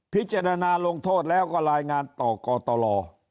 พิจารณาลงโทษแล้วก็รายงานต่อกตล